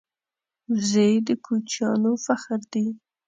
وزې د کوچیانو فخر دی